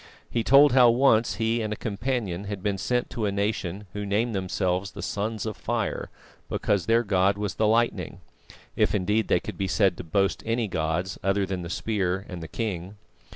He told how once he and a companion had been sent to a nation, who named themselves the Sons of Fire because their god was the lightning, if indeed they could be said to boast any gods other than the Spear and the King.